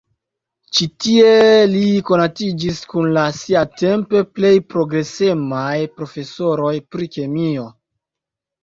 Ĉi-tie li konatiĝis kun la siatempe plej progresemaj profesoroj pri kemio.